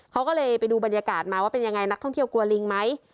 เขาก็เลยไปดูบรรยากาศมาว่าเป็นยังไงนักท่องเที่ยวกลัวลิงไหม